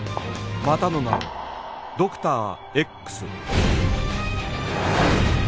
またの名をドクター Ｘ